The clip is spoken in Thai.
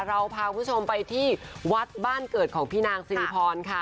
เราพาคุณผู้ชมไปที่วัดบ้านเกิดของพี่นางสิริพรค่ะ